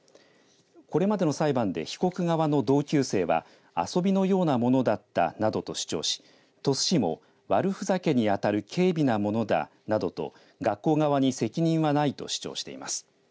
これまでの裁判で被告側の同級生は遊びのようなものだったなどと主張し鳥栖市も悪ふざけにあたる軽微なものだなどと学校側に責任はないと主張しています。